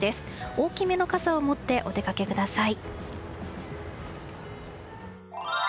大きめの傘を持ってお出かけください。